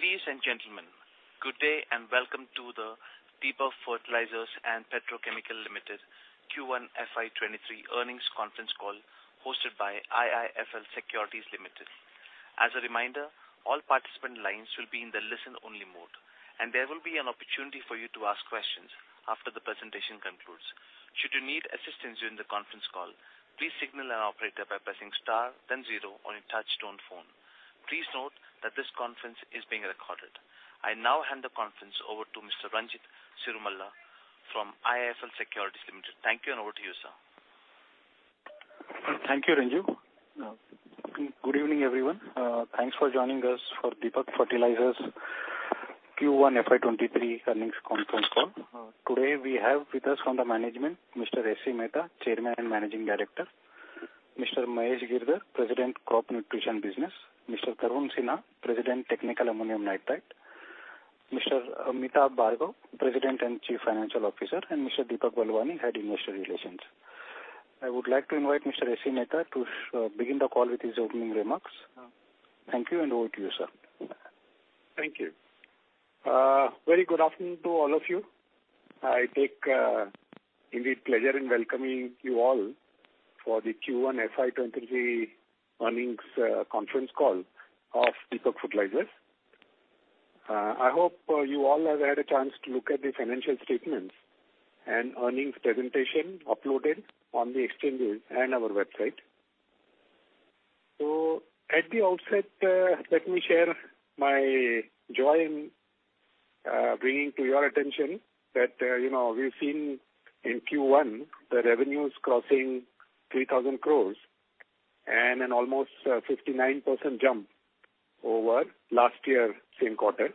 Ladies and gentlemen, good day and welcome to the Deepak Fertilisers and Petrochemicals Corporation Limited Q1 FY 2023 earnings conference call hosted by IIFL Securities Limited. As a reminder, all participant lines will be in the listen only mode, and there will be an opportunity for you to ask questions after the presentation concludes. Should you need assistance during the conference call, please signal an operator by pressing star then zero on your touchtone phone. Please note that this conference is being recorded. I now hand the conference over to Mr. Ranjit Cirumalla from IIFL Securities Limited. Thank you, and over to you, sir. Thank you, Renju. Good evening, everyone. Thanks for joining us for Deepak Fertilisers Q1 FY 2023 earnings conference call. Today we have with us from the management Mr. S.C. Mehta, Chairman and Managing Director, Mr. Mahesh Girdhar, President, Crop Nutrition Business, Mr. Tarun Sinha, President, Technical Ammonium Nitrate, Mr. Amitabh Bhargava, President and Chief Financial Officer, and Mr. Deepak Balwani, Head, Investor Relations. I would like to invite Mr. S.C. Mehta to begin the call with his opening remarks. Thank you, and over to you, sir. Thank you. Very good afternoon to all of you. I take indeed pleasure in welcoming you all for the Q1 FY 2023 earnings conference call of Deepak Fertilisers. I hope you all have had a chance to look at the financial statements and earnings presentation uploaded on the exchanges and our website. At the outset, let me share my joy in bringing to your attention that, you know, we've seen in Q1 the revenues crossing 3,000 crore and an almost 59% jump over last year same quarter.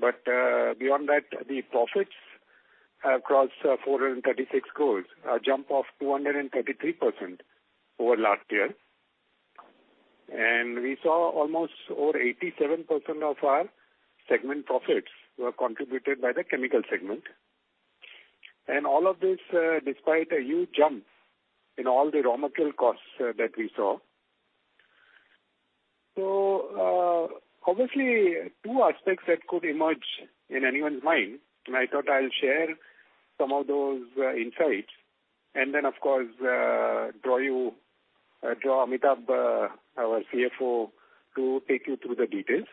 Beyond that, the profits have crossed 436 crore, a jump of 233% over last year. We saw almost over 87% of our segment profits were contributed by the chemical segment. All of this, despite a huge jump in all the raw material costs that we saw. Obviously two aspects that could emerge in anyone's mind, and I thought I'll share some of those insights. Then, of course, draw Amitabh, our CFO, to take you through the details.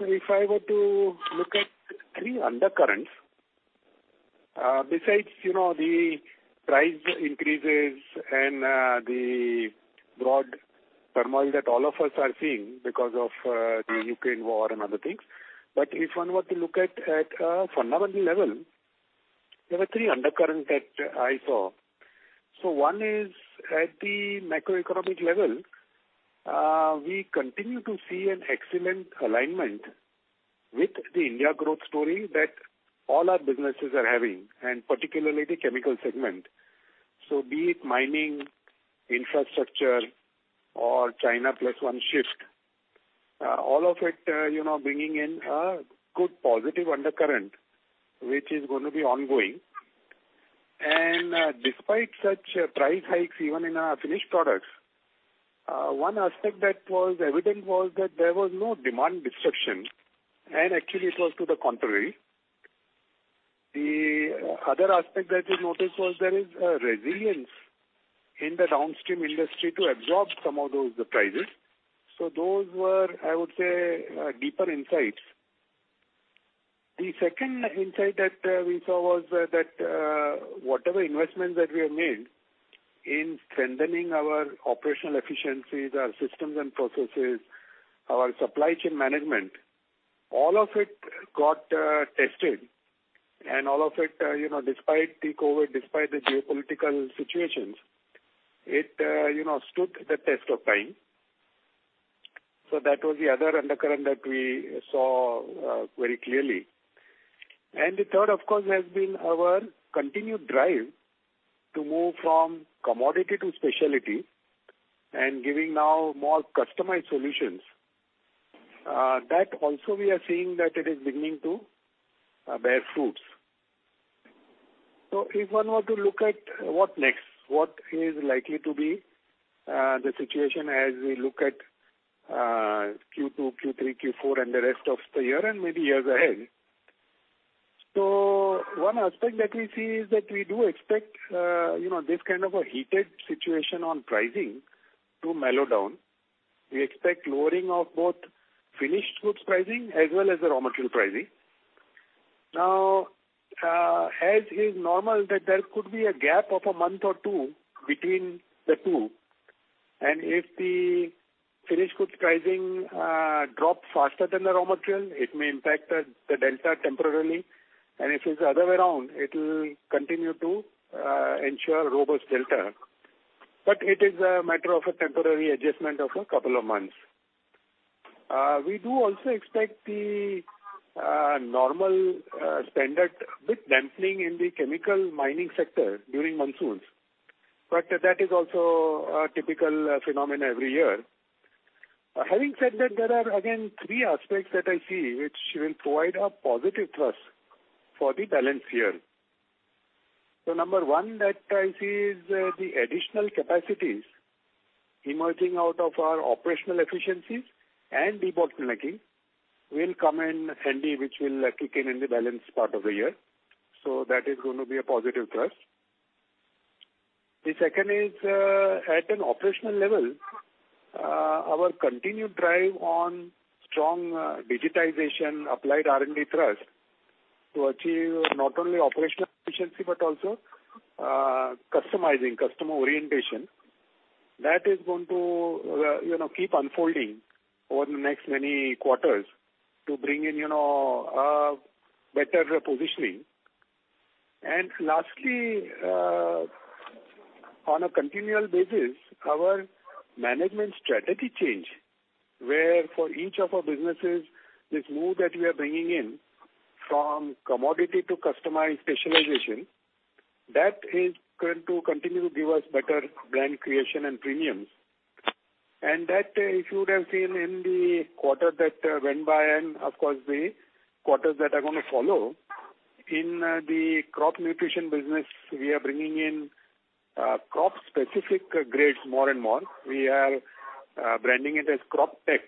If I were to look at any undercurrents, besides, you know, the price increases and, the broad turmoil that all of us are seeing because of, the Ukraine war and other things. If one were to look at a fundamental level, there are three undercurrent that I saw. One is at the macroeconomic level, we continue to see an excellent alignment with the India growth story that all our businesses are having, and particularly the chemical segment. Be it mining, infrastructure or China plus one shift, all of it, you know, bringing in a good positive undercurrent, which is gonna be ongoing. Despite such price hikes even in our finished products, one aspect that was evident was that there was no demand destruction, and actually it was to the contrary. The other aspect that we noticed was there is a resilience in the downstream industry to absorb some of those prices. Those were, I would say, deeper insights. The second insight that we saw was that whatever investments that we have made in strengthening our operational efficiencies, our systems and processes, our supply chain management, all of it got tested. All of it, you know, despite the COVID, despite the geopolitical situations, it, you know, stood the test of time. That was the other undercurrent that we saw very clearly. The third, of course, has been our continued drive to move from commodity to specialty and giving now more customized solutions. That also we are seeing that it is beginning to bear fruits. If one were to look at what next, what is likely to be the situation as we look at Q2, Q3, Q4, and the rest of the year and maybe years ahead. One aspect that we see is that we do expect you know, this kind of a heated situation on pricing to mellow down. We expect lowering of both finished goods pricing as well as the raw material pricing. Now, as is normal that there could be a gap of a month or two between the two, and if the finished goods pricing drop faster than the raw material, it may impact the delta temporarily. If it's the other way around, it'll continue to ensure robust delta. It is a matter of a temporary adjustment of a couple of months. We do also expect the normal spend, a bit dampening in the chemical mining sector during monsoons, but that is also a typical phenomenon every year. Having said that, there are again three aspects that I see which will provide a positive thrust for the balance year. Number one that I see is the additional capacities emerging out of our operational efficiencies and debottlenecking will come in handy, which will kick in in the balance part of the year. That is gonna be a positive plus. The second is at an operational level our continued drive on strong digitization applied R&D thrust to achieve not only operational efficiency but also customizing customer orientation. That is going to you know keep unfolding over the next many quarters to bring in you know a better positioning. Lastly, on a continual basis, our management strategy change, where for each of our businesses, this move that we are bringing in from commodity to customized specialization, that is going to continue to give us better brand creation and premiums. That, if you would have seen in the quarter that went by and of course, the quarters that are gonna follow, in the Crop Nutrition Business, we are bringing in crop specific grades more and more. We are branding it as Croptek.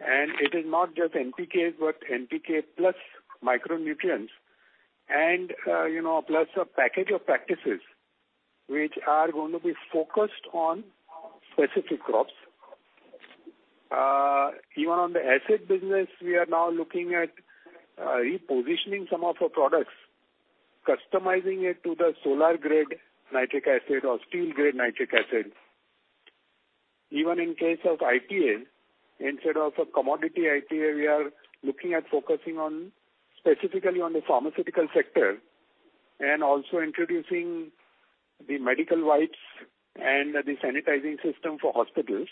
It is not just NPK, but NPK plus micronutrients and, you know, plus a package of practices which are going to be focused on specific crops. Even on the acid business, we are now looking at repositioning some of our products, customizing it to the Solar Grade Nitric Acid or Steel Grade Nitric Acid. Even in case of IPA, instead of a commodity IPA, we are looking at focusing on specifically on the pharmaceutical sector and also introducing the medical wipes and the sanitizing system for hospitals.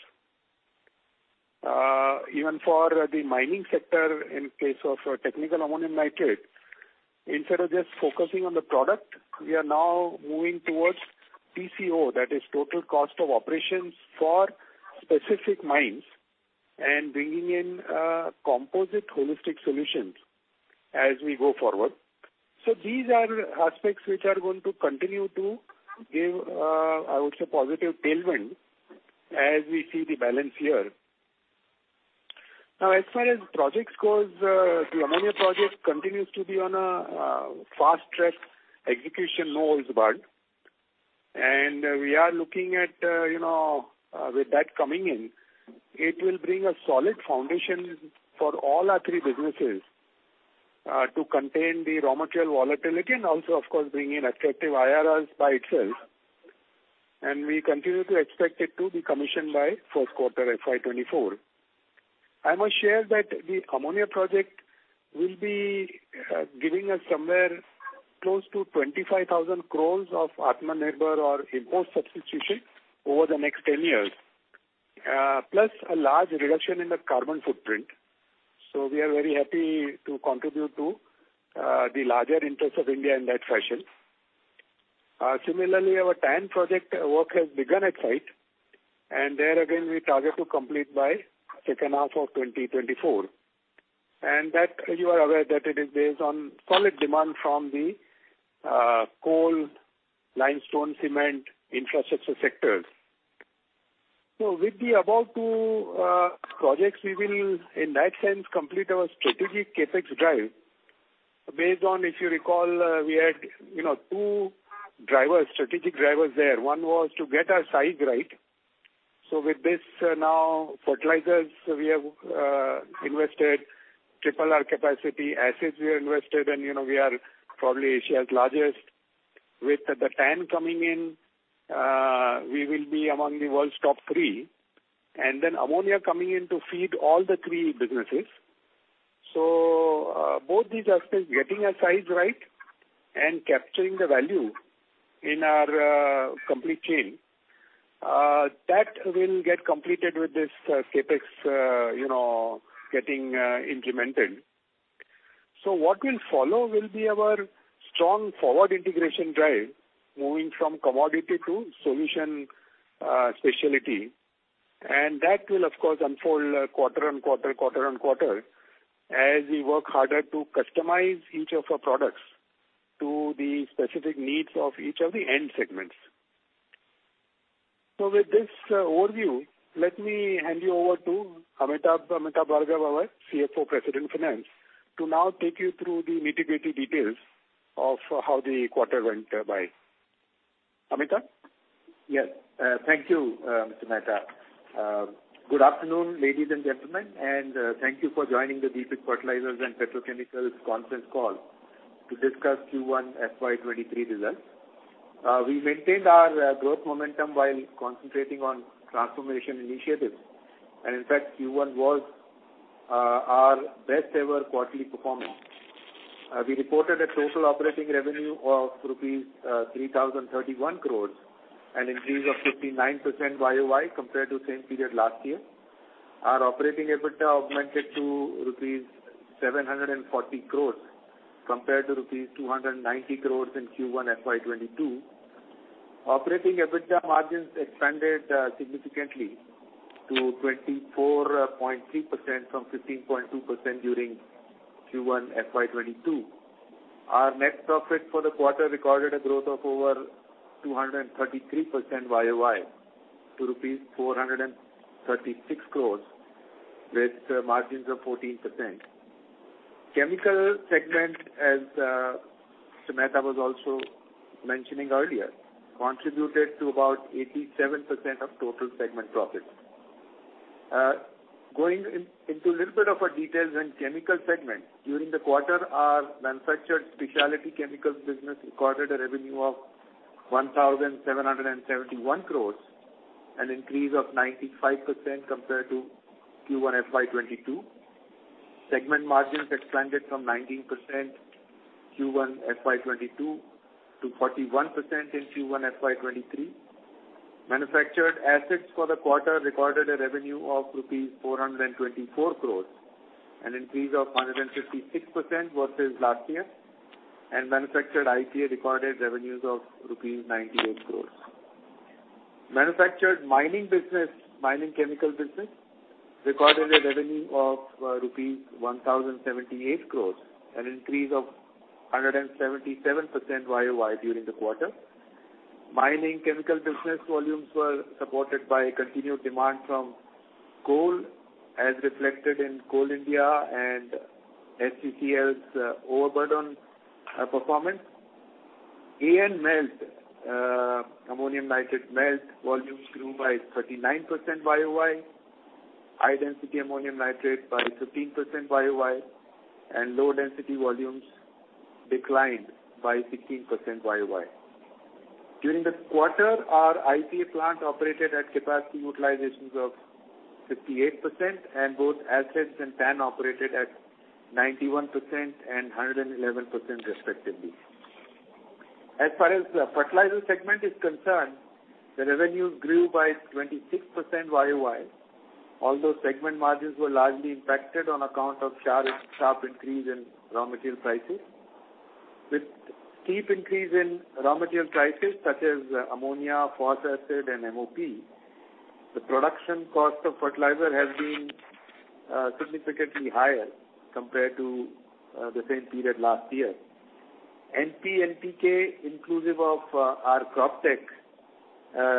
Even for the mining sector in case of Technical Ammonium Nitrate, instead of just focusing on the product, we are now moving towards TCO, that is total cost of operations for specific mines and bringing in composite holistic solutions as we go forward. These are aspects which are going to continue to give, I would say, positive tailwind as we see the balance here. Now, as far as projects goes, the ammonia project continues to be on a fast track execution, no holds barred. We are looking at with that coming in, it will bring a solid foundation for all our three businesses to contain the raw material volatility and also of course bring in attractive IRRs by itself. We continue to expect it to be commissioned by first quarter FY 2024. I must share that the ammonia project will be giving us somewhere close to 25,000 crore of Atmanirbhar or import substitution over the next 10 years, plus a large reduction in the carbon footprint. We are very happy to contribute to the larger interests of India in that fashion. Similarly, our TAN project work has begun at site, and there again we target to complete by second half of 2024. That you are aware that it is based on solid demand from the coal, limestone, cement, infrastructure sectors. With the above two projects, we will in that sense complete our strategic CapEx drive based on if you recall, we had, you know, two drivers, strategic drivers there. One was to get our size right. With this now fertilizers we have invested triple our capacity. Acids we have invested and, you know, we are probably Asia's largest. With the TAN coming in, we will be among the world's top three. Ammonia coming in to feed all the three businesses. Both these aspects, getting our size right and capturing the value in our complete chain, that will get completed with this CapEx, you know, getting implemented. What will follow will be our strong forward integration drive, moving from commodity to solution, specialty. That will of course unfold quarter-on-quarter as we work harder to customize each of our products to the specific needs of each of the end segments. With this overview, let me hand you over to Amitabh Bhargava, our CFO, President, Finance, to now take you through the nitty-gritty details of how the quarter went by. Amitabh? Yes. Thank you, Mr. Mehta. Good afternoon, ladies and gentlemen, and thank you for joining the Deepak Fertilisers and Petrochemicals conference call to discuss Q1 FY 2023 results. We maintained our growth momentum while concentrating on transformation initiatives. In fact, Q1 was our best ever quarterly performance. We reported a total operating revenue of INR 3,031 crores, an increase of 59% YoY compared to same period last year. Our operating EBITDA augmented to rupees 740 crores compared to rupees 290 crores in Q1 FY 2022. Operating EBITDA margins expanded significantly to 24.3% from 15.2% during Q1 FY 2022. Our net profit for the quarter recorded a growth of over 233% YoY to rupees 436 crore with margins of 14%. Chemical segment, as Mehta was also mentioning earlier, contributed to about 87% of total segment profits. Going into a little bit of details in chemical segment. During the quarter, our manufactured specialty chemicals business recorded a revenue of 1,771 crore, an increase of 95% compared to Q1 FY 2022. Segment margins expanded from 19% Q1 FY 2022 to 41% in Q1 FY 2023. Manufactured acids for the quarter recorded a revenue of rupees 424 crore, an increase of 156% versus last year. Manufactured IPA recorded revenues of rupees 98 crore. Mining chemical business recorded a revenue of rupees 1,078 crore, an increase of 177% YoY during the quarter. Mining chemical business volumes were supported by continued demand from coal, as reflected in Coal India and SCCL's overburden performance. AN melt, ammonium nitrate melt volumes grew by 39% YoY, High Density Ammonium Nitrate by 15% YoY, and low density volumes declined by 16% YoY. During the quarter, our IPA plant operated at capacity utilizations of 58%, and both acids and TAN operated at 91% and 111% respectively. As far as the fertilizer segment is concerned, the revenues grew by 26% YoY, although segment margins were largely impacted on account of sharp increase in raw material prices. With steep increase in raw material prices such as ammonia, phosphoric acid, and MOP, the production cost of fertilizer has been significantly higher compared to the same period last year. NPK, inclusive of our Croptek,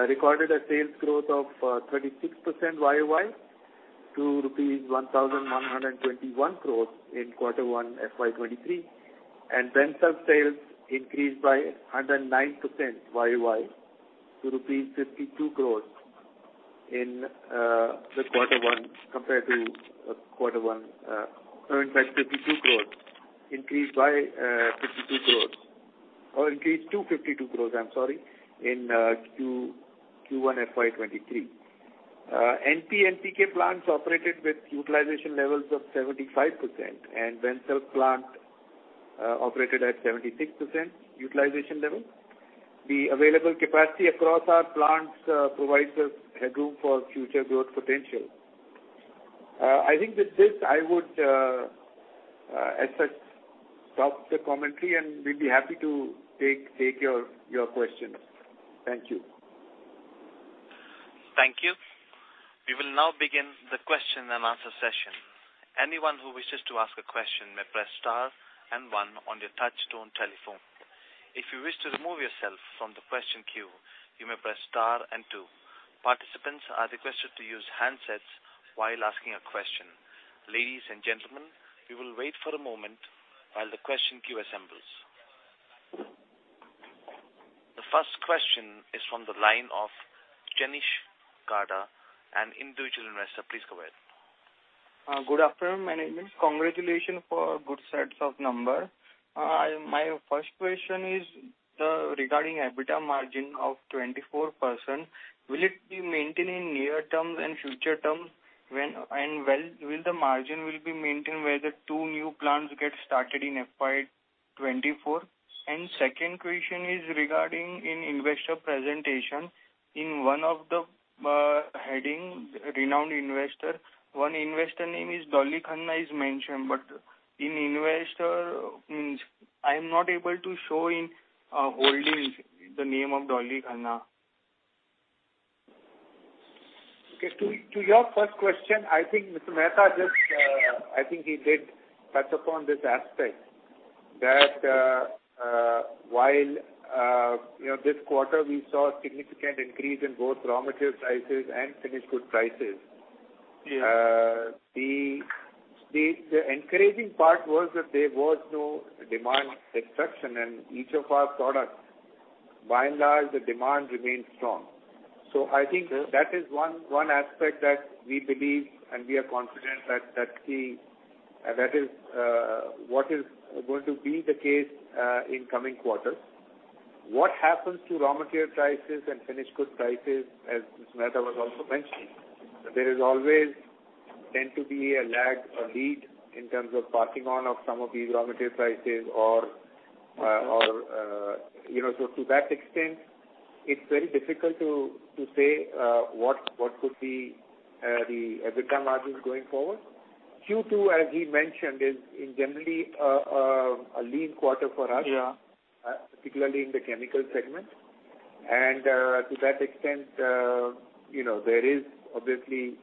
recorded a sales growth of 36% YoY to INR 1,121 crores in Q1 FY 2023. Bensulf sales increased by 109% YoY to INR 52 crores in Q1 FY 2023. NPK plants operated with utilization levels of 75%, and Bensulf plant operated at 76% utilization level. The available capacity across our plants provides us headroom for future growth potential. I think with this, I would, as such, stop the commentary, and we'd be happy to take your questions. Thank you. Thank you. We will now begin the question and answer session. Anyone who wishes to ask a question may press star and one on your touch-tone telephone. If you wish to remove yourself from the question queue, you may press star and two. Participants are requested to use handsets while asking a question. Ladies and gentlemen, we will wait for a moment while the question queue assembles. The first question is from the line of Jenish Garda, an individual investor. Please go ahead. Good afternoon, management. Congratulations for good sets of numbers. My first question is regarding EBITDA margin of 24%. Will it be maintained in near term and future term when the two new plants get started in FY 2024? Second question is regarding the investor presentation. In one of the headings, renowned investor, one investor name is Dolly Khanna mentioned, but in investor meets I am not able to see in holdings the name of Dolly Khanna. Okay. To your first question, I think Mr. Mehta just, I think he did touch upon this aspect that, while you know, this quarter we saw a significant increase in both raw material prices and finished good prices. Yeah. The encouraging part was that there was no demand destruction in each of our products. By and large, the demand remained strong. I think- Sure. That is one aspect that we believe and we are confident that that is what is going to be the case in coming quarters. What happens to raw material prices and finished good prices, as Mr. Mehta was also mentioning, there is always a tendency to be a lag or lead in terms of passing on of some of these raw material prices or you know. To that extent, it's very difficult to say what could be the EBITDA margins going forward. Q2, as we mentioned, is generally a lean quarter for us. Yeah. Particularly in the chemical segment. To that extent, you know, there is obviously,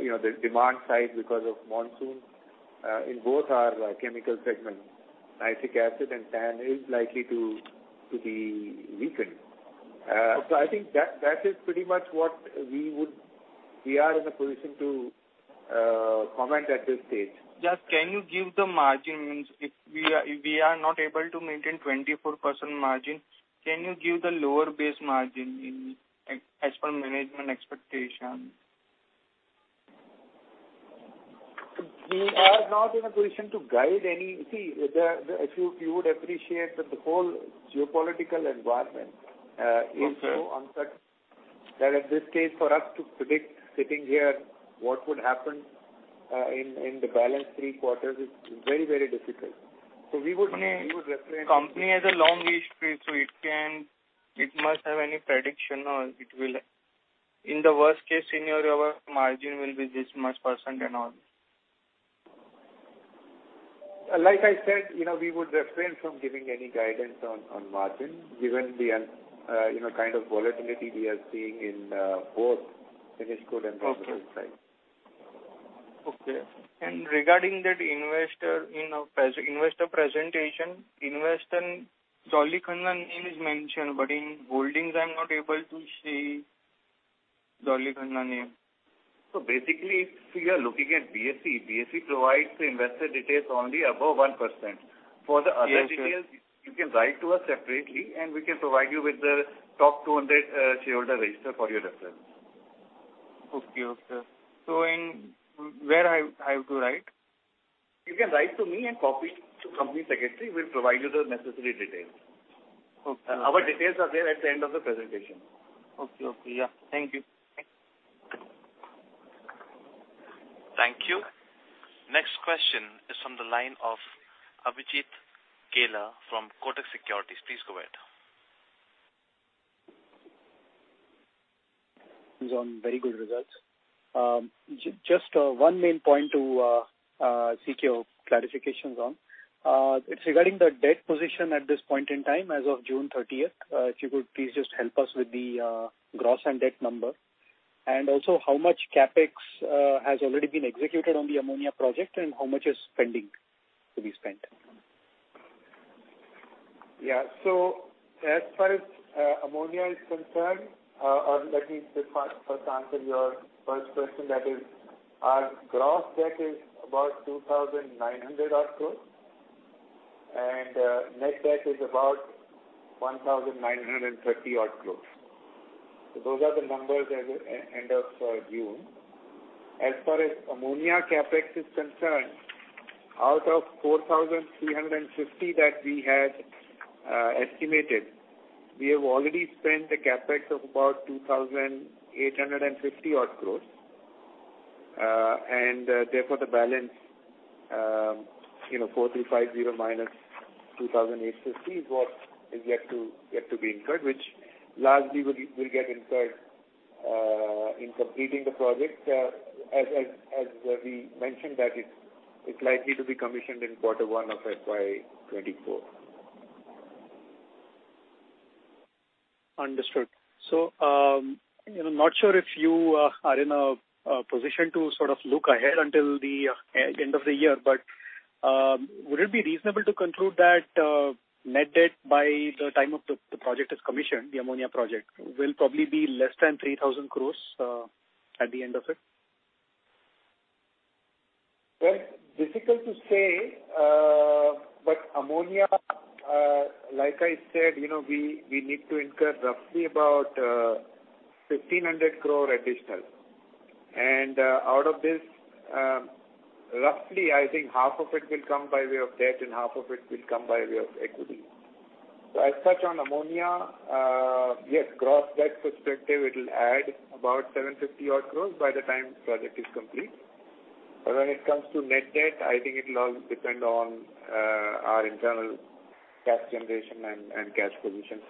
you know, there's demand side because of monsoon. In both our chemical segment, nitric acid and TAN is likely to be weakened. I think that is pretty much what we would. We are in a position to comment at this stage. Just, can you give the margins? If we are not able to maintain 24% margin, can you give the lower base margin in, as per management expectation? We are not in a position to guide any. See, if you would appreciate that the whole geopolitical environment. Okay. Is so uncertain that at this stage for us to predict sitting here what would happen in the balance three quarters is very, very difficult. We would refrain- Company has a long history, so it must have any prediction or it will. In the worst case scenario, our margin will be this much percent and all. Like I said, you know, we would refrain from giving any guidance on margin given the, you know, kind of volatility we are seeing in both finished good and raw material side. Okay. Regarding that investor, you know, investor presentation, Dolly Khanna name is mentioned, but in holdings I'm not able to see Dolly Khanna name. Basically if you are looking at BSE provides investor details only above 1%. For the other details. Yeah, sure. You can write to us separately, and we can provide you with the top 200 shareholder register for your reference. Okay. In where I have to write? You can write to me and copy to company secretary. We'll provide you the necessary details. Okay. Our details are there at the end of the presentation. Okay. Yeah. Thank you. Thank you. Next question is from the line of Abhijit Akella from Kotak Securities. Please go ahead. He's shown very good results. Just one main point to seek your clarifications on. It's regarding the debt position at this point in time as of June 30th. If you could please just help us with the gross and debt number. Also how much CapEx has already been executed on the ammonia project and how much is pending to be spent? Yeah. As far as ammonia is concerned, or let me just first answer your first question that is our gross debt is about 2,900 crores. Net debt is about 1,930 crores. Those are the numbers as of end of June. As far as ammonia CapEx is concerned, out of 4,350 that we had estimated, we have already spent CapEx of about 2,850 crores. And therefore, the balance, you know, 4,350 crores minus 2,850 crores is what is yet to be incurred, which largely will get incurred in completing the project. As we mentioned that it's likely to be commissioned in quarter one of FY 2024. Understood. I'm not sure if you are in a position to sort of look ahead until the end of the year. Would it be reasonable to conclude that net debt by the time of the project is commissioned, the ammonia project, will probably be less than 3,000 crore at the end of it? Well, difficult to say. Ammonia, like I said, you know, we need to incur roughly about 1,500 crore additional. Out of this, roughly, I think half of it will come by way of debt and half of it will come by way of equity. As such on ammonia, yes, gross debt perspective, it'll add about 750 crore by the time project is complete. When it comes to net debt, I think it'll all depend on our internal cash generation and cash position.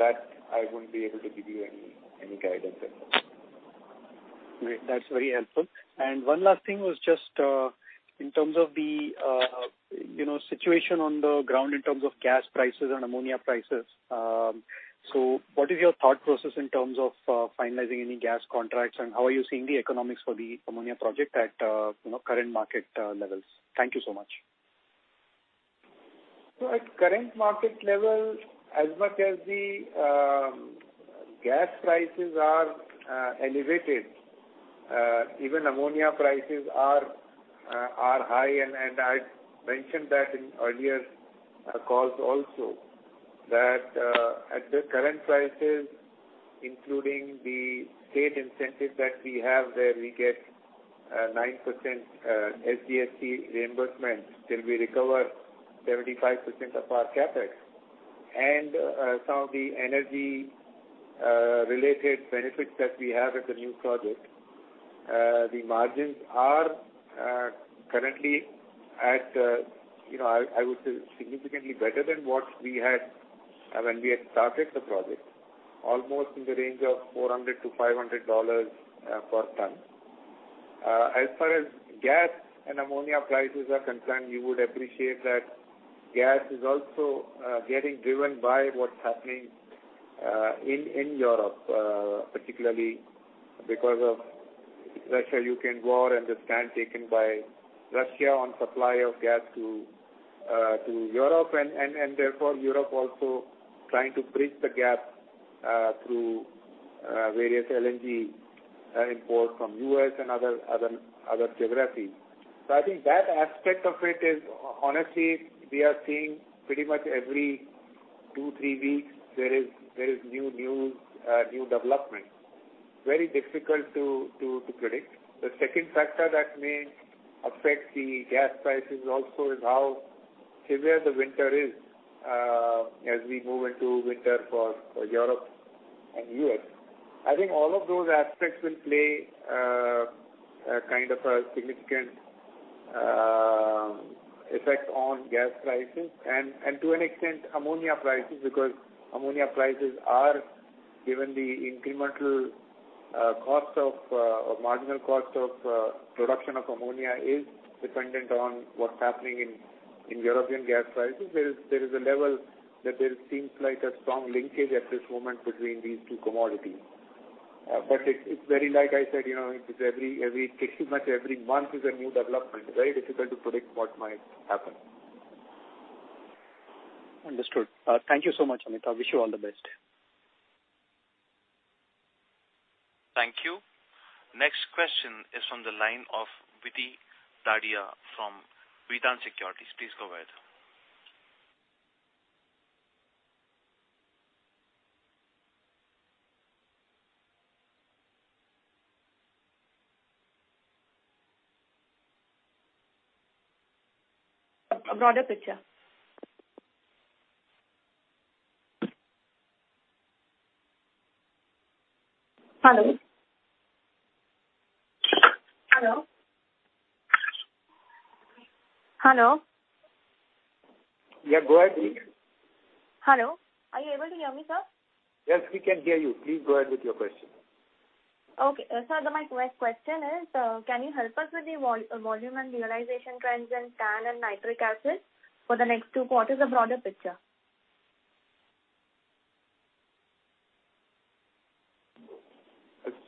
That I wouldn't be able to give you any guidance at all. Great. That's very helpful. One last thing was just, in terms of the, you know, situation on the ground in terms of gas prices and ammonia prices. What is your thought process in terms of, finalizing any gas contracts and how are you seeing the economics for the ammonia project at, you know, current market, levels? Thank you so much. At current market level, as much as the gas prices are elevated, even ammonia prices are high, and I mentioned that in earlier calls also that at the current prices including the state incentives that we have where we get 9% SGST reimbursement till we recover 75% of our CapEx. Some of the energy related benefits that we have at the new project, the margins are currently at, you know, I would say significantly better than what we had when we had started the project. Almost in the range of $400-$500 per ton. As far as gas and ammonia prices are concerned, you would appreciate that gas is also getting driven by what's happening in Europe. Particularly because of Russia-Ukraine war and the stand taken by Russia on supply of gas to Europe and therefore Europe also trying to bridge the gap through various LNG import from U.S. and other geographies. I think that aspect of it is honestly we are seeing pretty much every two, three weeks there is new development. Very difficult to predict. The second factor that may affect the gas prices also is how severe the winter is as we move into winter for Europe and U.S. I think all of those aspects will play a kind of a significant effect on gas prices and to an extent ammonia prices, because ammonia prices are given the incremental cost of or marginal cost of production of ammonia is dependent on what's happening in European gas prices. There is a level that there seems like a strong linkage at this moment between these two commodities. It's very like I said, you know, it is every pretty much every month is a new development. Very difficult to predict what might happen. Understood. Thank you so much, Amit. I wish you all the best. Thank you. Next question is from the line of Vidhi Dagli from Vittam Securities. Please go ahead. A broader picture. Hello? Hello? Hello? Yeah, go ahead, please. Hello. Are you able to hear me, sir? Yes, we can hear you. Please go ahead with your question. Okay. Sir, my question is, can you help us with the volume and realization trends in TAN and nitric acid for the next two quarters? A broader picture.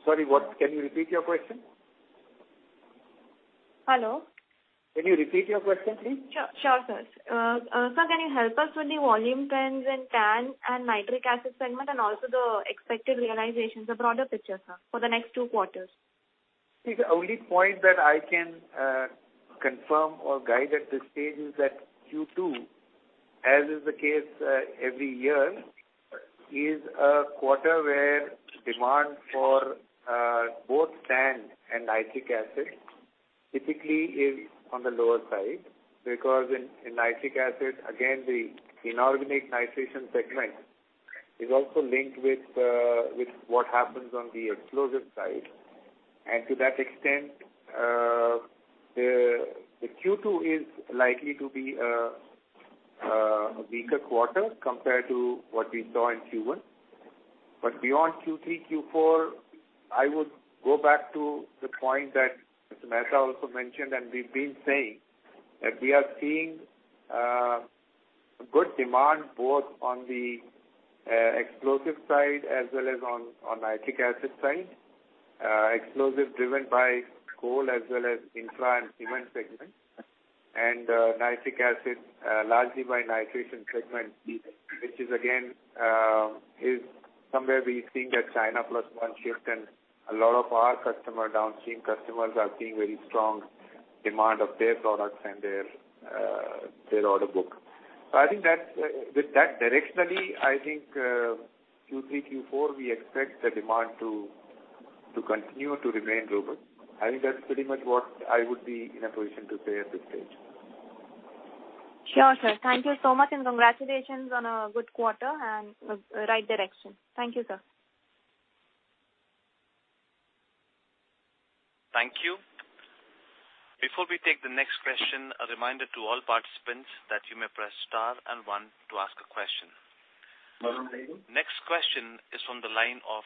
Sorry, what? Can you repeat your question? Hello? Can you repeat your question, please? Sure, sir, can you help us with the volume trends in TAN and nitric acid segment and also the expected realizations? A broader picture, sir, for the next two quarters. The only point that I can confirm or guide at this stage is that Q2, as is the case every year, is a quarter where demand for both TAN and nitric acid typically is on the lower side. Because in nitric acid, again, the inorganic nitration segment is also linked with what happens on the explosive side. To that extent, the Q2 is likely to be a weaker quarter compared to what we saw in Q1. Beyond Q3, Q4, I would go back to the point that Mr. Mehta also mentioned, and we've been saying, that we are seeing good demand both on the explosive side as well as on nitric acid side. Explosive driven by coal as well as infra and cement segment. Nitric acid, largely by nitration segment, which is again, is somewhere we've seen that China plus one shift and a lot of our customer, downstream customers are seeing very strong demand of their products and their their order book. I think that's with that directionally, I think Q3, Q4, we expect the demand to continue to remain robust. I think that's pretty much what I would be in a position to say at this stage. Sure, sir. Thank you so much and congratulations on a good quarter and right direction. Thank you, sir. Thank you. Before we take the next question, a reminder to all participants that you may press star and one to ask a question. Well done, Vidhi. Next question is from the line of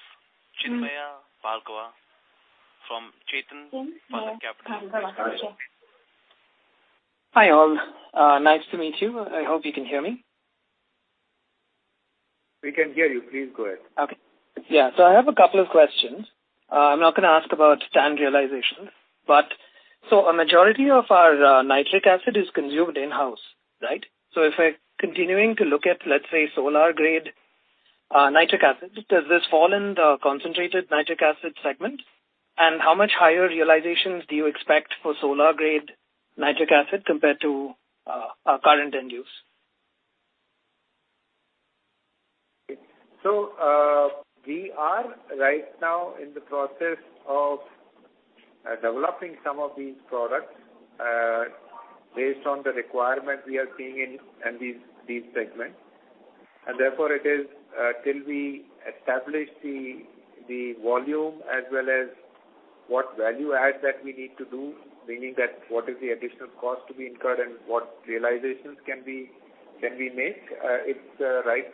Chinmay Palga from Chetan Parikh Capital. Hi, all. Nice to meet you. I hope you can hear me. We can hear you. Please go ahead. Okay. Yeah. I have a couple of questions. I'm not gonna ask about TAN realization. A majority of our nitric acid is consumed in-house, right? If we're continuing to look at, let's say, Solar Grade Nitric Acid, does this fall in the concentrated nitric acid segment? And how much higher realizations do you expect for Solar Grade Nitric Acid compared to our current end use? We are right now in the process of developing some of these products based on the requirement we are seeing in these segments. Therefore it is till we establish the volume as well as what value add that we need to do, meaning that what is the additional cost to be incurred and what realizations can we make. It's right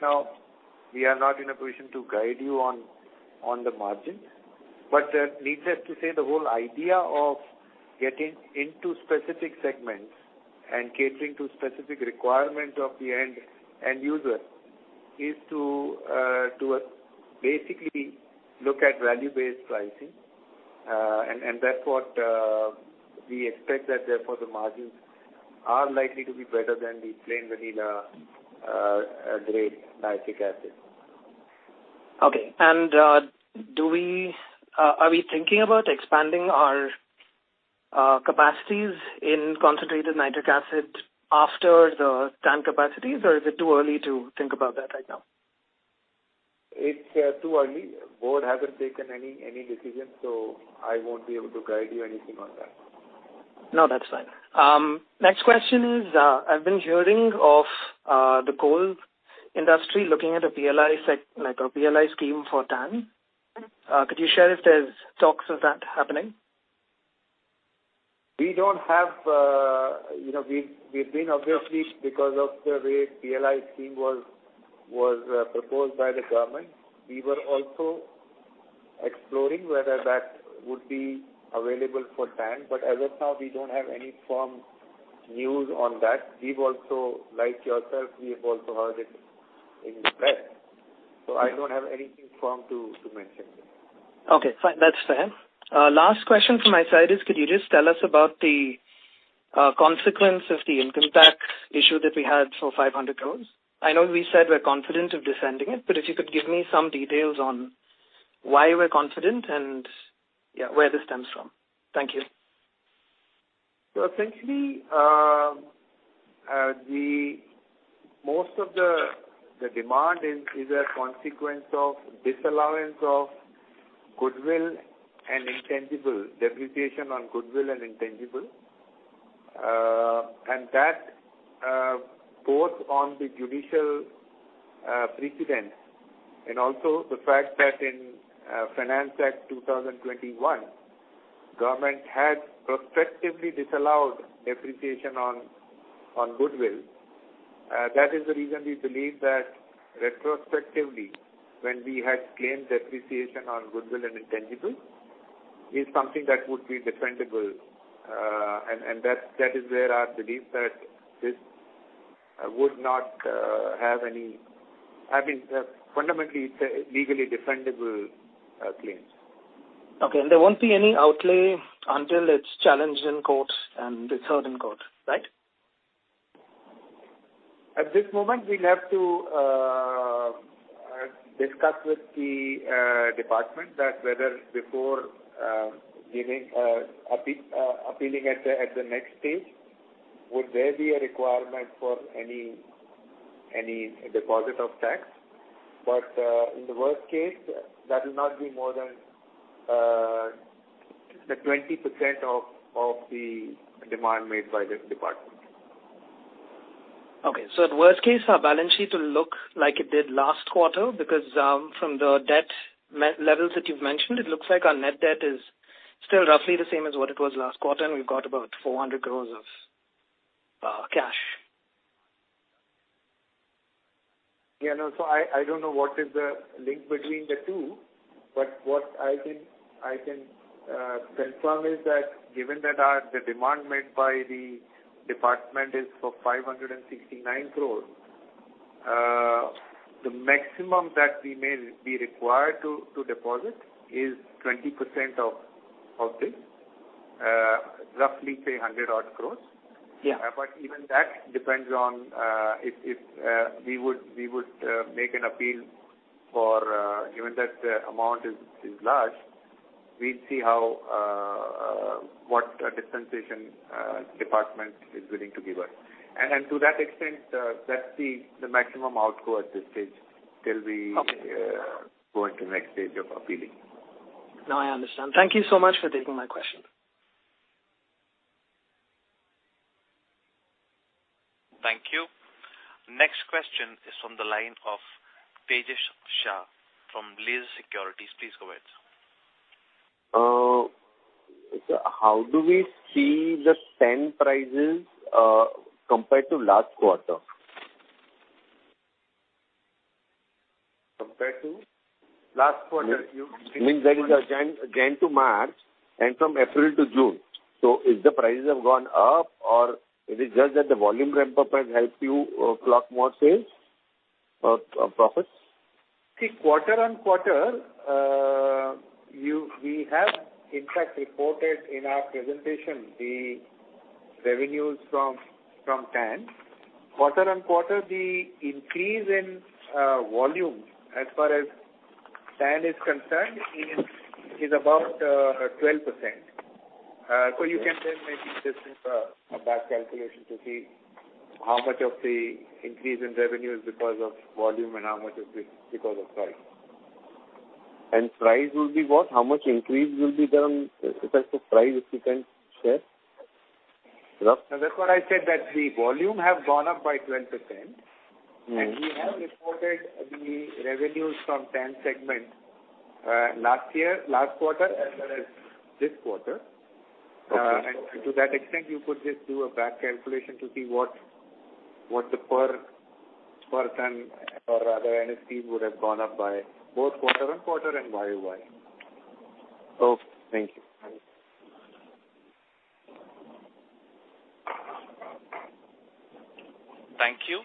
now we are not in a position to guide you on the margin. Needless to say, the whole idea of getting into specific segments and catering to specific requirement of the end user is to basically look at value-based pricing. We expect that therefore the margins are likely to be better than the plain vanilla grade nitric acid. Are we thinking about expanding our capacities in concentrated nitric acid after the TAN capacities, or is it too early to think about that right now? It's too early. Board hasn't taken any decision, so I won't be able to guide you anything on that. No, that's fine. Next question is, I've been hearing of the coal industry looking at a PLI scheme for TAN. Could you share if there's talks of that happening? We don't have, you know, we've been obviously because of the way PLI scheme was proposed by the government, we were also exploring whether that would be available for TAN. As of now, we don't have any firm news on that. We've also, like yourself, we have also heard it in the press. I don't have anything firm to mention. Okay. Fine. That's fair. Last question from my side is could you just tell us about the consequence of the income tax issue that we had for 500 crore? I know we said we're confident of defending it, but if you could give me some details on why we're confident and, yeah, where this stems from. Thank you. Essentially, most of the demand is a consequence of disallowance of depreciation on goodwill and intangibles. That both on the judicial precedent and also the fact that in Finance Act 2021, government had prospectively disallowed depreciation on goodwill. That is the reason we believe that retrospectively, when we had claimed depreciation on goodwill and intangibles, is something that would be defendable. That is where I believe that this would not have any, I mean, fundamentally legally defendable claims. Okay. There won't be any outlay until it's challenged in court and determined in court, right? At this moment, we'll have to discuss with the department that whether before giving appealing at the next stage, would there be a requirement for any deposit of tax. In the worst case, that will not be more than the 20% of the demand made by the department. Okay. At worst case, our balance sheet will look like it did last quarter because from the debt levels that you've mentioned, it looks like our net debt is still roughly the same as what it was last quarter, and we've got about 400 crore of cash. I don't know what is the link between the two, but what I can confirm is that given that the demand made by the department is for 569 crores, the maximum that we may be required to deposit is 20% of this, roughly say 100-odd crores. Yeah. Even that depends on if we would make an appeal for, given that the amount is large, we'd see how what dispensation department is willing to give us. To that extent, that's the maximum outgo at this stage till we- Okay. Go into next stage of appealing. No, I understand. Thank you so much for taking my question. Thank you. Next question is from the line of Tejas Shah from Laxmi Securities. Please go ahead, sir. How do we see the TAN prices compared to last quarter? Compared to last quarter? Means there is a January to March and from April to June. If the prices have gone up or it is just that the volume ramp-up has helped you clock more sales or profits? See, quarter-on-quarter, we have in fact reported in our presentation the revenues from TAN. Quarter-on-quarter, the increase in volume as far as TAN is concerned is about 12%. You can then maybe do some back calculation to see how much of the increase in revenue is because of volume and how much is because of price. Price will be what? How much increase will be done in terms of price, if you can share? Now that's what I said that the volume have gone up by 12%. Mm-hmm. We have reported the revenues from 10 segments, last year, last quarter, as well as this quarter. Okay. To that extent, you could just do a back calculation to see what the per ton or rather NSP would have gone up by both quarter-on-quarter and YoY. Okay. Thank you. All right. Thank you.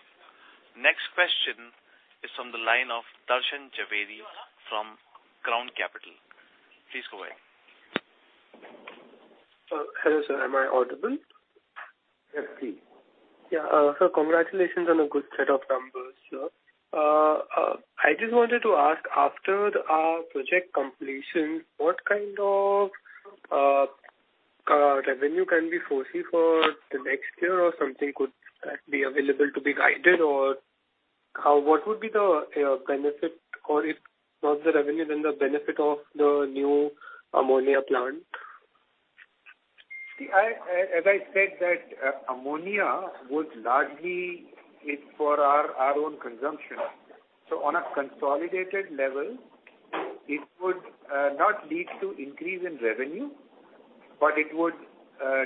Next question is from the line of Darshil Jhaveri from Crown Capital. Please go ahead. Hello sir, am I audible? Yes, please. Yeah. Congratulations on a good set of numbers, sir. I just wanted to ask, after our project completion, what kind of revenue can we foresee for the next year or something could, like, be available to be guided? Or how? What would be the benefit or if not the revenue then the benefit of the new ammonia plant? As I said that ammonia was largely it for our own consumption. On a consolidated level, it would not lead to increase in revenue, but it would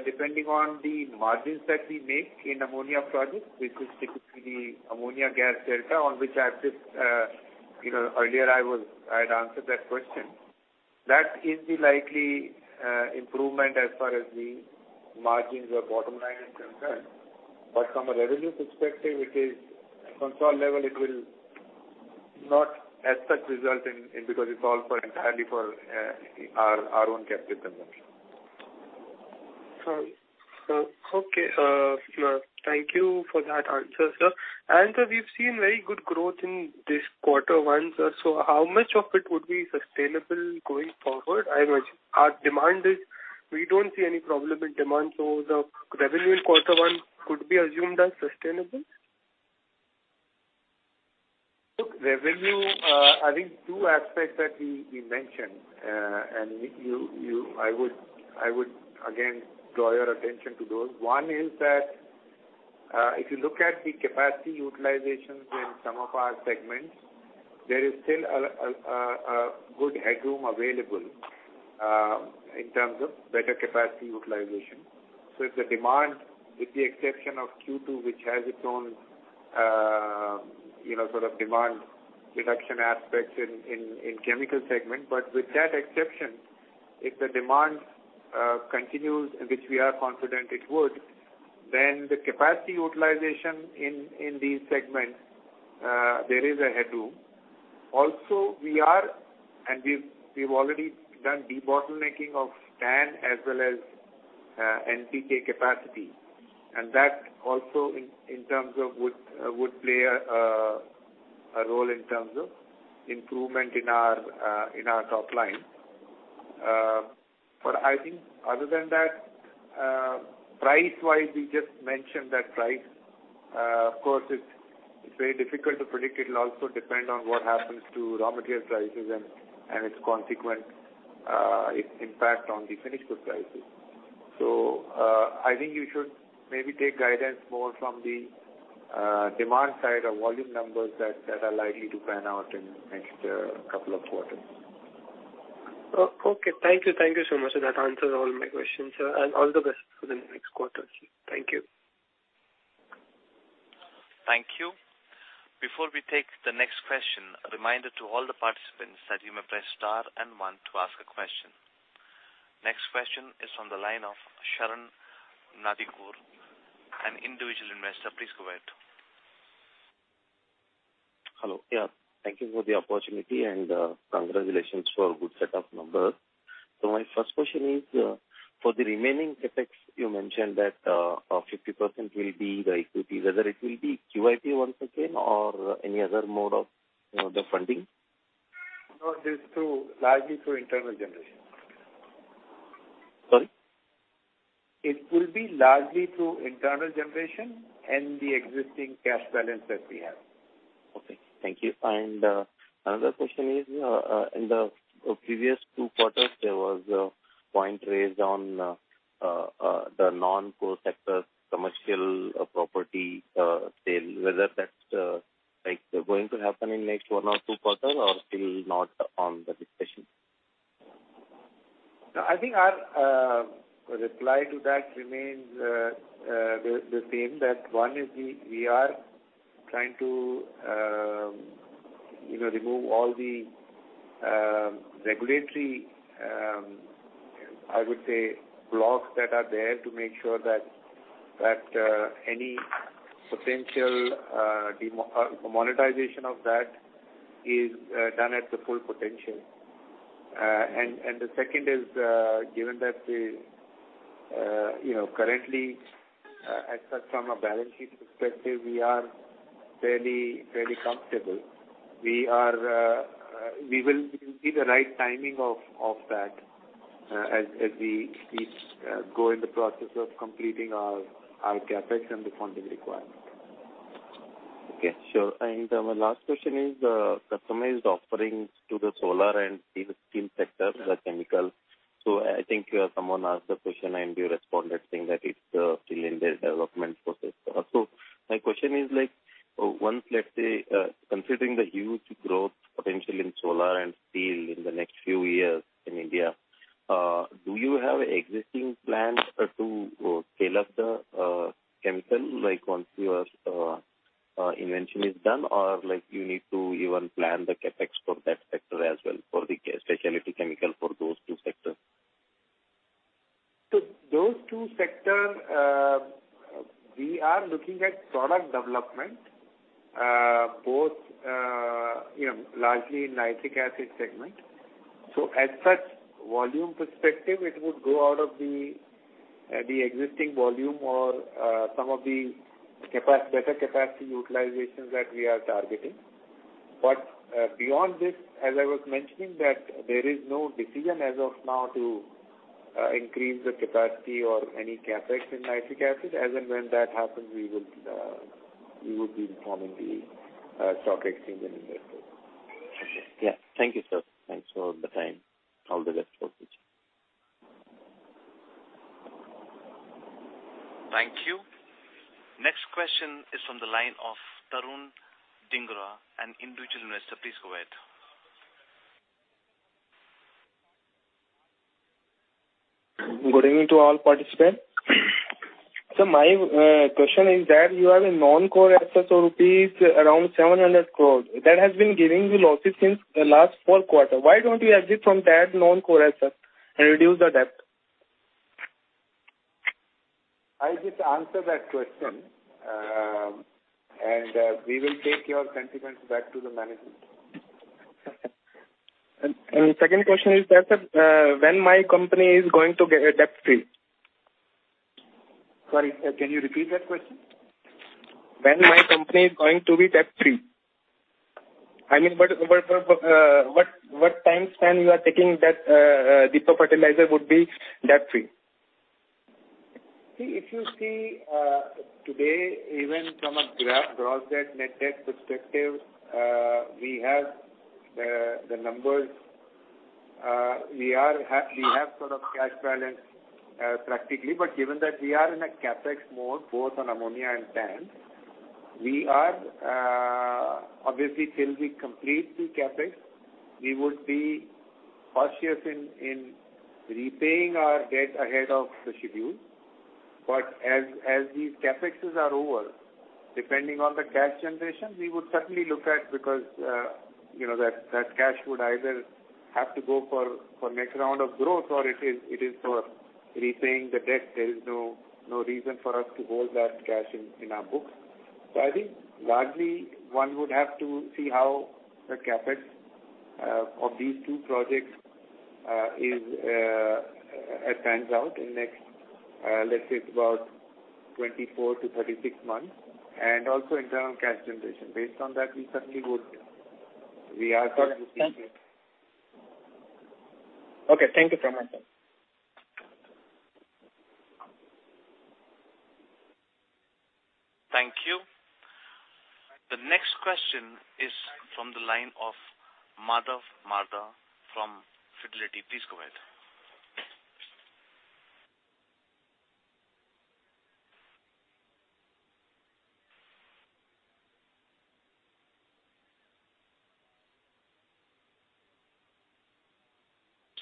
depending on the margins that we make in ammonia project, which is typically ammonia gas delta, on which I've just you know earlier I had answered that question. That is the likely improvement as far as the margins or bottom line is concerned. From a revenue perspective, it is at consolidated level it will not as such result in because it's all entirely for our own captive consumption. Okay. Sir, thank you for that answer, sir. Sir, we've seen very good growth in this quarter one, sir. How much of it would be sustainable going forward? I imagine our demand is we don't see any problem in demand, so the revenue in quarter one could be assumed as sustainable. Look, revenue, I think two aspects that we mentioned, and you—I would again draw your attention to those. One is that, if you look at the capacity utilizations in some of our segments, there is still a good headroom available, in terms of better capacity utilization. If the demand, with the exception of Q2, which has its own, you know, sort of demand reduction aspects in chemical segment. With that exception, if the demand continues, and which we are confident it would, then the capacity utilization in these segments, there is a headroom. Also, we've already done debottlenecking of TAN as well as NPK capacity. That also in terms of would play a role in terms of improvement in our top line. I think other than that, price-wise, we just mentioned that price, of course it's very difficult to predict. It'll also depend on what happens to raw material prices and its consequent impact on the finished good prices. I think you should maybe take guidance more from the demand side or volume numbers that are likely to pan out in next couple of quarters. Okay. Thank you. Thank you so much. That answers all my questions, sir. All the best for the next quarter. Thank you. Thank you. Before we take the next question, a reminder to all the participants that you may press star and one to ask a question. Next question is from the line of Sharon Nadikur, an individual investor. Please go ahead. Hello. Yeah. Thank you for the opportunity and, congratulations for a good set of numbers. My first question is, for the remaining CapEx, you mentioned that, 50% will be the equity. Whether it will be QIP once again or any other mode of, you know, the funding? No, it is through, largely through internal generation. Sorry? It will be largely through internal generation and the existing cash balance that we have. Okay. Thank you. Another question is, in the previous two quarters, there was a point raised on the non-core sector commercial property sale, whether that's like going to happen in next one or two quarters or still not on the discussion? No, I think our reply to that remains the same. That one is we are trying to, you know, remove all the regulatory blocks that are there to make sure that any potential monetization of that is done at the full potential. The second is, given that we, you know, currently, as such from a balance sheet perspective, we are fairly comfortable. We will see the right timing of that as we go in the process of completing our CapEx and the funding requirement. Okay. Sure. My last question is customized offerings to the solar and steel sector, the chemical. I think someone asked the question and you responded saying that it's still in the development process. My question is like, once let's say considering the huge growth potential in solar and steel in the next few years in India, do you have existing plans to scale up the chemical, like once your invention is done, or like you need to even plan the CapEx for that sector as well, for the specialty chemical for those two sectors? Those two sectors, we are looking at product development, both, you know, largely in nitric acid segment. As such volume perspective, it would go out of the existing volume or some of the capacity utilization that we are targeting. Beyond this, as I was mentioning, there is no decision as of now to increase the capacity or any CapEx in nitric acid. As and when that happens, we will be informing the stock exchange and investors. Yeah. Thank you, sir. Thanks for the time. All the best for the future. Thank you. Next question is from the line of Tarun Dhingra, an individual investor. Please go ahead. Good evening to all participants. My question is that you have a non-core asset of around 700 crores rupees. That has been giving you losses since the last four quarter. Why don't you exit from that non-core asset and reduce the debt? I just answered that question. We will take your sentiments back to the management. The second question is that, sir, when my company is going to be debt free? Sorry, can you repeat that question? When my company is going to be debt free? I mean, what time span you are taking that Deepak Fertilisers would be debt free? See, if you see, today even from a gross debt, net debt perspective, we have the numbers. We have sort of cash balance, practically. Given that we are in a CapEx mode both on Ammonia and TAN, we are obviously till we complete the CapEx, we would be cautious in repaying our debt ahead of the schedule. As these CapExes are over, depending on the cash generation, we would certainly look at because, you know that cash would either have to go for next round of growth or it is for repaying the debt. There is no reason for us to hold that cash in our books. I think largely one would have to see how the CapEx of these two projects stands out in next, let's say it's about 24-36 months and also internal cash generation. Based on that, we are sort of. Okay. Thank you so much, sir. Thank you. The next question is from the line of Madhav Marda from Fidelity. Please go ahead.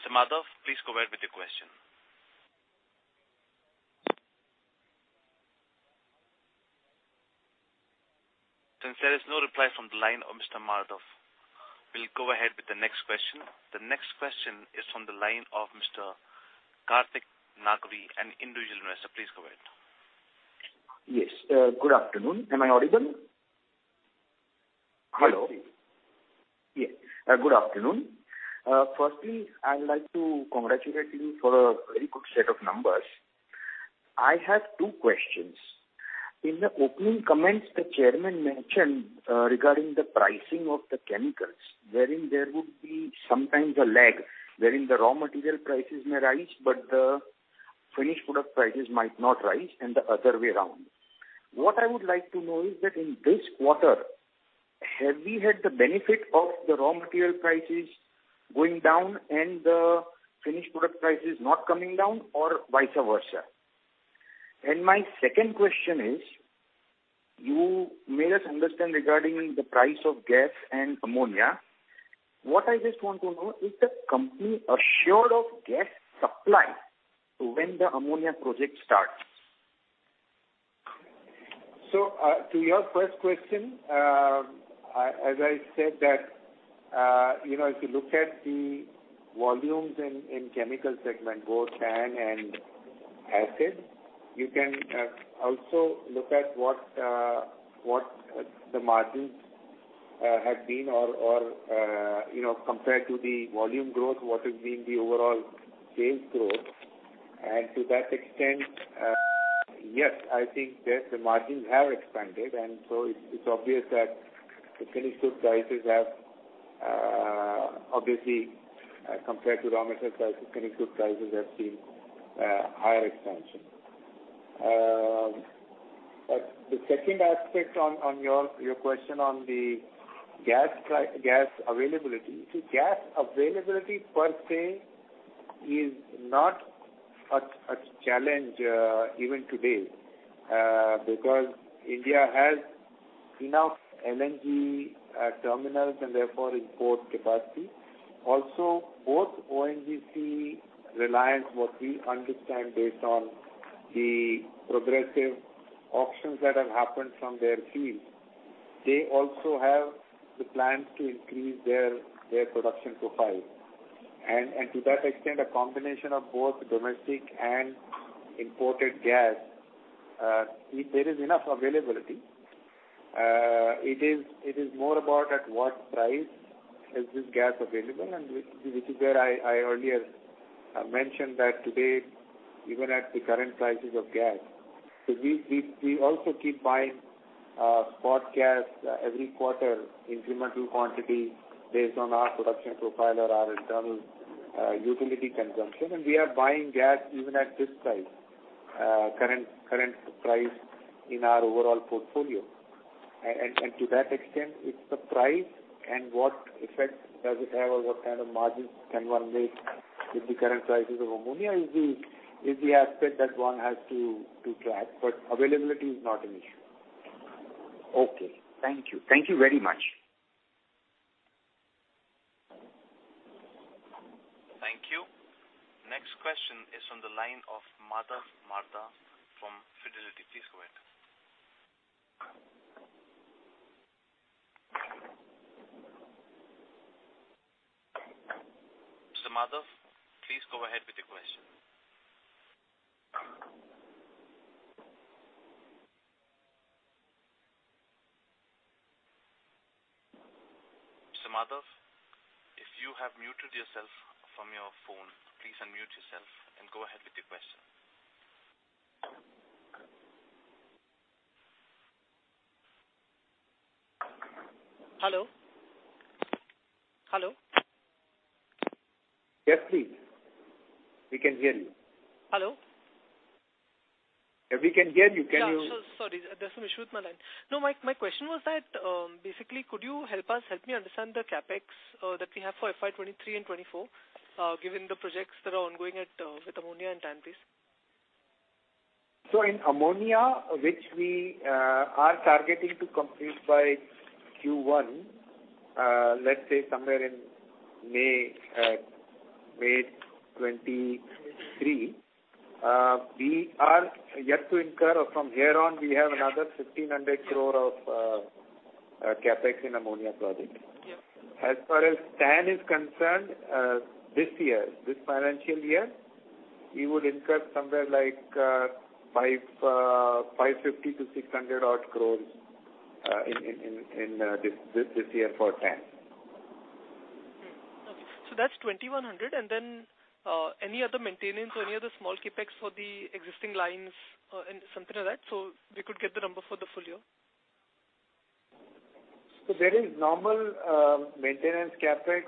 Mr. Madhav, please go ahead with your question. Since there is no reply from the line of Mr. Madhav, we'll go ahead with the next question. The next question is from the line of Mr. Karthik Nagar, an individual investor. Please go ahead. Yes. Good afternoon. Am I audible? Hello? Yes. Yes. Good afternoon. Firstly, I would like to congratulate you for a very good set of numbers. I have two questions. In the opening comments the chairman mentioned regarding the pricing of the chemicals, wherein there would be sometimes a lag, wherein the raw material prices may rise, but the finished product prices might not rise and the other way around. What I would like to know is that in this quarter, have we had the benefit of the raw material prices going down and the finished product prices not coming down or vice versa? My second question is, you made us understand regarding the price of gas and ammonia. What I just want to know is the company assured of gas supply to when the ammonia project starts? To your first question, as I said that, you know, if you look at the volumes in chemical segment, both TAN and acid, you can also look at what the margins have been or, you know, compared to the volume growth, what has been the overall sales growth. To that extent, yes, I think that the margins have expanded. It's obvious that the finished good prices have compared to raw material prices, chemical prices have seen higher expansion. The second aspect on your question on the gas price, gas availability. See, gas availability per se is not a challenge, even today, because India has enough LNG terminals and therefore import capacity. Also both ONGC Reliance what we understand based on the progressive auctions that have happened from their side. They also have the plans to increase their production profile. To that extent, a combination of both domestic and imported gas, there is enough availability. It is more about at what price is this gas available, and which is where I earlier mentioned that today, even at the current prices of gas, so we also keep buying spot gas every quarter, incremental quantity based on our production profile or our internal utility consumption. We are buying gas even at this price, current price in our overall portfolio. To that extent, it's the price and what effect does it have or what kind of margins can one make with the current prices of ammonia is the aspect that one has to track, but availability is not an issue. Okay. Thank you. Thank you very much. Thank you. Next question is on the line of Madhav Marda from Fidelity. Please go ahead. Mr. Madhav, please go ahead with your question. Mr. Madhav, if you have muted yourself from your phone, please unmute yourself and go ahead with your question. Hello? Hello? Yes, please. We can hear you. Hello? Yeah, we can hear you. Sorry, there's some issue with my line. No, my question was that, basically could you help me understand the CapEx that we have for FY 2023 and 2024, given the projects that are ongoing at, with ammonia and TAN-based? In ammonia, which we are targeting to complete by Q1, let's say somewhere in May 2023, we are yet to incur from here on. We have another 1,500 crore of CapEx in ammonia project. Yep. As far as TAN is concerned, this year, this financial year, we would incur somewhere like 550 odd crores-INR 600 odd crores in this year for TAN. That's 2,100 crore. Then, any other maintenance or any other small CapEx for the existing lines, and something like that, so we could get the number for the full year. There is normal maintenance CapEx.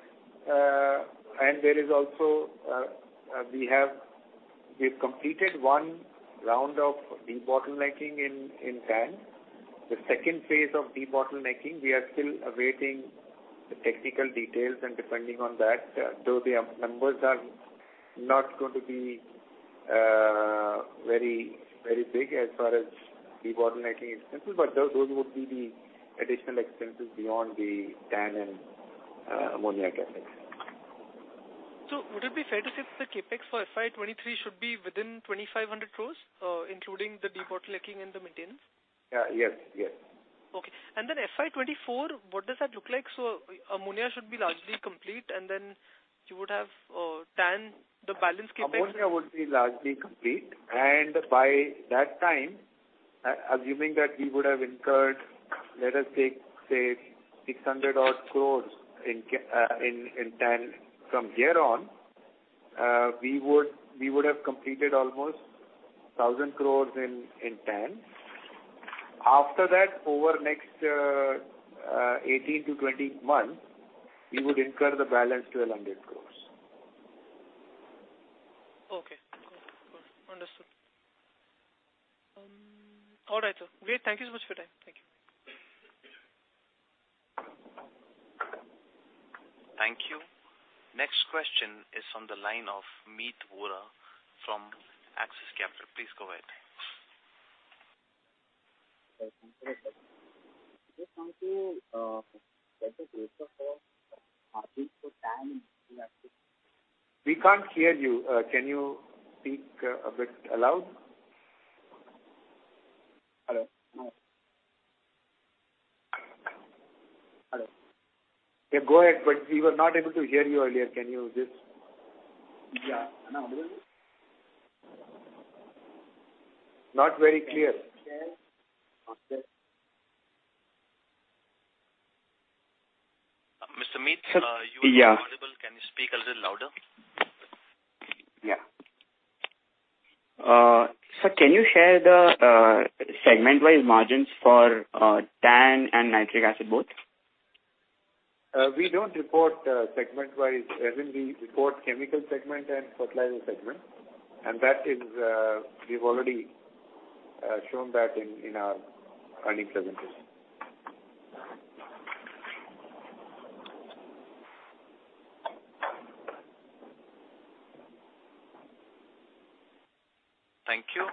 There is also. We've completed one round of debottlenecking in TAN. The second phase of debottlenecking, we are still awaiting the technical details and depending on that, though the CapEx numbers are not going to be very, very big as far as debottlenecking expenses, but those would be the additional expenses beyond the TAN and ammonia CapEx. Would it be fair to say that the CapEx for FY 2023 should be within 2,500 crores, including the debottlenecking and the maintenance? Yes. Yes. Okay. FY 2024, what does that look like? Ammonia should be largely complete, and then you would have TAN, the balance CapEx. Ammonia would be largely complete. By that time, assuming that we would have incurred, let us say, 600-odd crores in TAN from here on, we would have completed almost 1,000 crores in TAN. After that, over next 18-20 months, we would incur the balance 1,200 crores. Okay. Understood. All right. Great. Thank you so much for your time. Thank you. Thank you. Next question is on the line of Meet Vora from Axis Capital. Please go ahead. We can't hear you. Can you speak a bit loud? Hello? Hello? Yeah, go ahead. We were not able to hear you earlier. Can you just? Yeah. Not very clear. Mr. Meet. Yeah. You are inaudible. Can you speak a little louder? Yeah. Sir, can you share the segment-wise margins for TAN and nitric acid both? We don't report segment-wise. As in, we report chemical segment and fertilizer segment, and that is, we've already shown that in our earnings presentation. Thank you.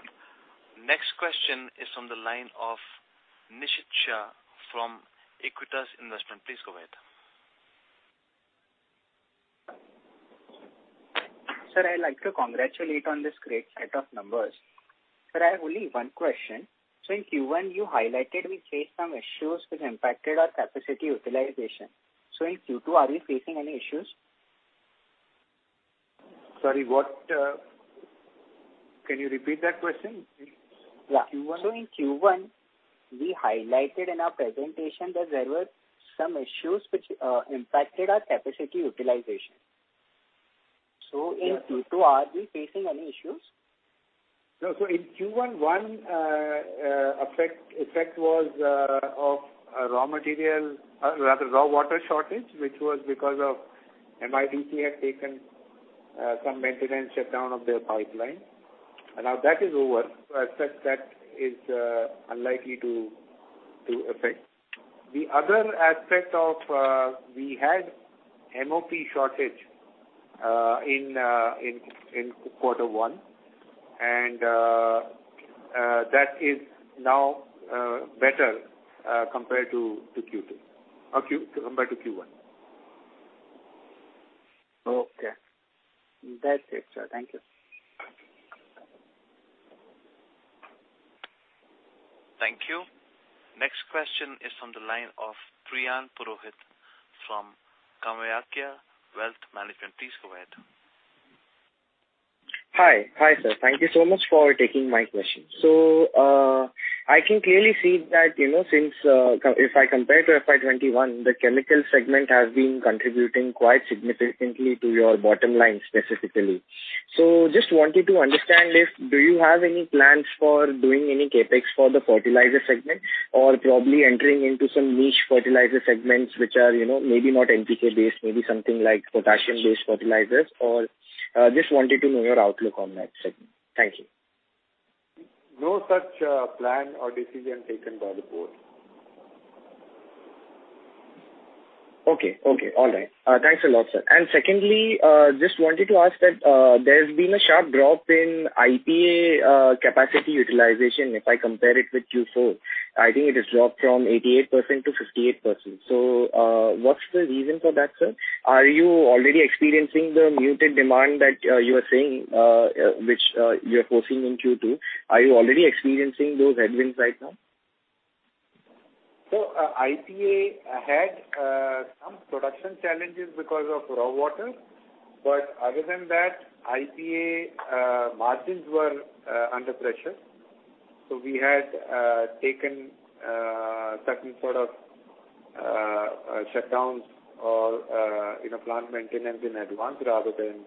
Next question is from the line of Nishith Shah from Aequitas Investments. Please go ahead. Sir, I'd like to congratulate on this great set of numbers. Sir, I have only one question. In Q1 you highlighted we faced some issues which impacted our capacity utilization. In Q2, are you facing any issues? Sorry, what? Can you repeat that question, please? Yeah. Q1- In Q1, we highlighted in our presentation that there were some issues which impacted our capacity utilization. In Q2, are we facing any issues? No. In Q1, one effect was of a raw material or rather raw water shortage, which was because MIDC had taken some maintenance shutdown of their pipeline. Now that is over. As such that is unlikely to affect. The other aspect, we had MOP shortage in quarter one. That is now better compared to Q1. Okay. That's it, sir. Thank you. Thank you. Next question is from the line of Priyan Purohit from KamayaKya Wealth Management. Please go ahead. Hi. Hi sir. Thank you so much for taking my question. I can clearly see that, you know, since if I compare to FY 2021, the chemical segment has been contributing quite significantly to your bottom line specifically. I just wanted to understand if you have any plans for doing any CapEx for the fertilizer segment or probably entering into some niche fertilizer segments which are, you know, maybe not NPK based, maybe something like potassium based fertilizers or just wanted to know your outlook on that segment. Thank you. No such plan or decision taken by the board. Okay. All right. Thanks a lot, sir. Secondly, just wanted to ask that, there's been a sharp drop in IPA capacity utilization. If I compare it with Q4, I think it has dropped from 88% to 58%. What's the reason for that, sir? Are you already experiencing the muted demand that you are seeing, which you are foreseeing in Q2? Are you already experiencing those headwinds right now? IPA had some production challenges because of raw water, but other than that, IPA margins were under pressure. We had taken certain sort of shutdowns or, you know, plant maintenance in advance rather than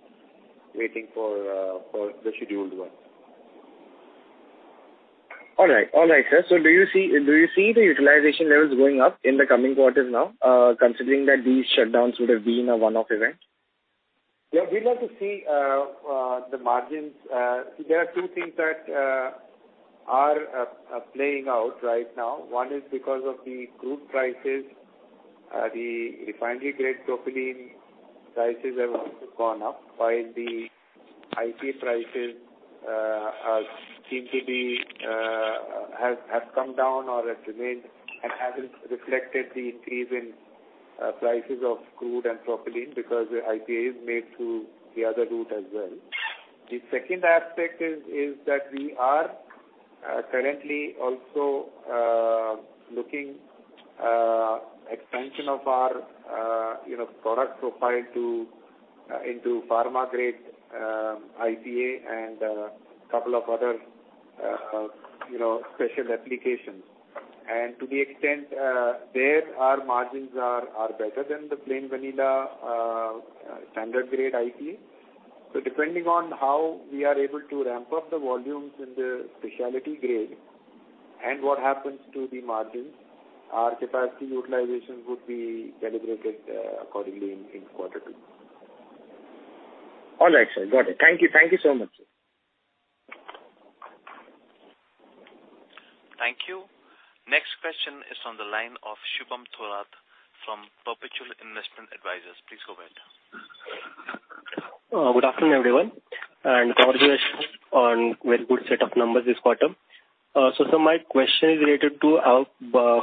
waiting for the scheduled one. All right. All right, sir. Do you see the utilization levels going up in the coming quarters now, considering that these shutdowns would have been a one-off event? Yeah, we'd like to see the margins. There are two things that are playing out right now. One is because of the crude prices. The refinery grade propylene prices have gone up while the IPA prices seem to have come down or have remained and haven't reflected the increase in prices of crude and propylene because IPA is made through the other route as well. The second aspect is that we are currently also looking at expansion of our you know product profile into pharma grade IPA and couple of other you know special applications. To the extent there our margins are better than the plain vanilla standard grade IPA. Depending on how we are able to ramp up the volumes in the specialty grade and what happens to the margins, our capacity utilization would be calibrated accordingly in quarter two. All right, sir. Got it. Thank you. Thank you so much. Thank you. Next question is on the line of Shubham Thorat from Perpetual Investment Advisors. Please go ahead. Good afternoon, everyone, and congratulations on very good set of numbers this quarter. My question is related to our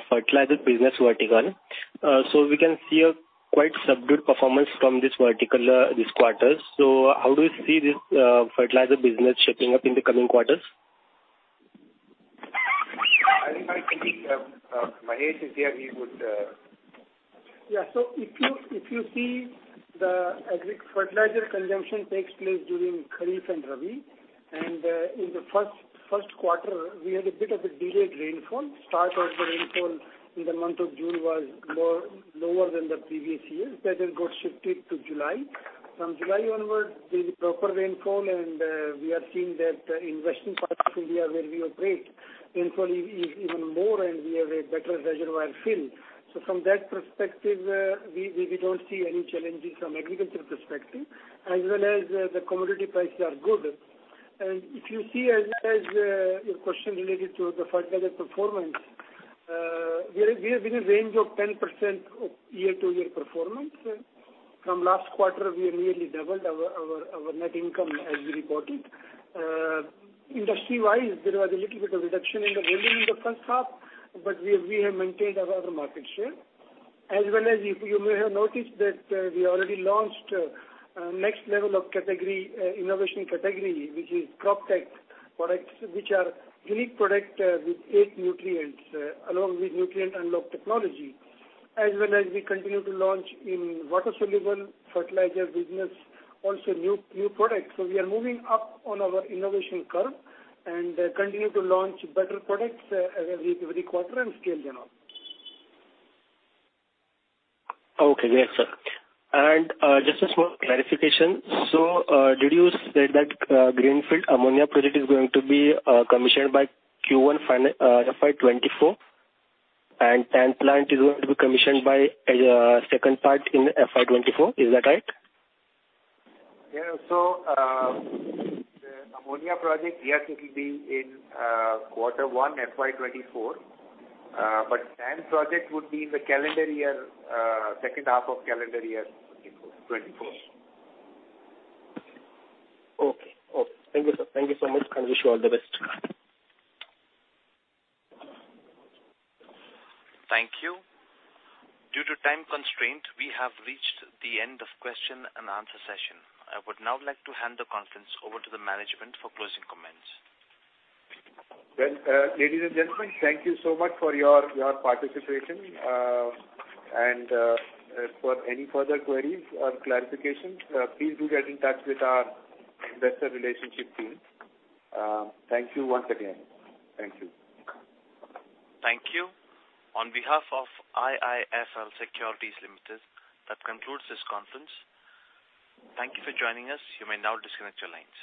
fertilizer business vertical. We can see a quite subdued performance from this vertical this quarter. How do you see this fertilizer business shaping up in the coming quarters? I think Mahesh is here. He would. If you see the agri fertilizer consumption takes place during Kharif and Rabi, and in the first quarter, we had a bit of a delayed rainfall. Start of the rainfall in the month of June was low, lower than the previous years. That then got shifted to July. From July onwards, there's proper rainfall, and we are seeing that in western parts of India where we operate, rainfall is even more and we have a better reservoir fill. From that perspective, we don't see any challenges from agriculture perspective as well as the commodity prices are good. If you see as well as your question related to the fertilizer performance, we are within a range of 10% of year-to-year performance. From last quarter, we have nearly doubled our net income as we reported. Industry-wise, there was a little bit of reduction in the volume in the first half, but we have maintained our overall market share. As well as if you may have noticed that, we already launched next level of category innovation category, which is Croptek products, which are unique product with eight nutrients along with Nutrient Unlock Technology. As well as we continue to launch in water-soluble fertilizer business also new products. We are moving up on our innovation curve and continue to launch better products every quarter and scale them up. Yes, sir. Just a small clarification. Did you say that the greenfield ammonia project is going to be commissioned by Q1 FY 2024 and the TAN plant is going to be commissioned by the second half in FY 2024? Is that right? The ammonia project, yes, it will be in quarter 1 FY 2024, but TAN project would be in the calendar year, second half of calendar year 2024. Okay. Thank you, sir. Thank you so much, and wish you all the best. Thank you. Due to time constraint, we have reached the end of question and answer session. I would now like to hand the conference over to the management for closing comments. Well, ladies and gentlemen, thank you so much for your participation. For any further queries or clarifications, please do get in touch with our investor relations team. Thank you once again. Thank you. Thank you. On behalf of IIFL Securities Limited, that concludes this conference. Thank you for joining us. You may now disconnect your lines.